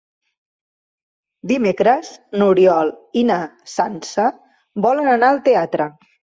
Dimecres n'Oriol i na Sança volen anar al teatre.